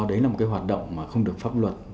đấy là một cái hoạt động mà không được pháp luật